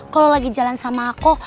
kalau lagi jalan sama aku